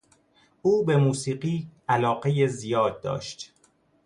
او به موسیقی علاقهی زیاد داشت.